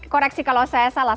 koreksi kalau saya salah